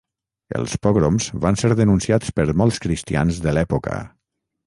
Els pogroms van ser denunciats per molts cristians de l'època.